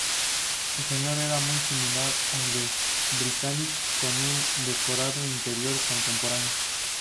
Su diseño era muy similar al del "Britannic", con un decorado interior contemporáneo.